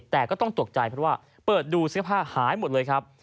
แต่ก็ต้องตกใจเพราะว่าเปิดดูเสื้อผ้าหายหมดเลยครับ